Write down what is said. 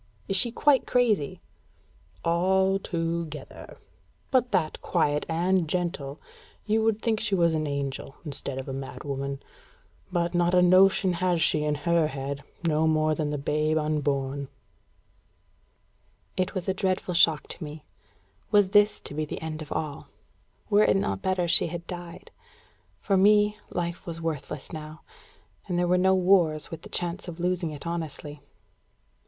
"Is she quite crazy?" "Al to gether; but that quiet and gentle, you would think she was an angel instead of a mad woman. But not a notion has she in her head, no more than the babe unborn." It was a dreadful shock to me. Was this to be the end of all? Were it not better she had died? For me, life was worthless now. And there were no wars, with the chance of losing it honestly.